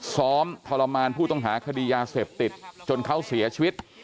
ทรมานผู้ต้องหาคดียาเสพติดจนเขาเสียชีวิต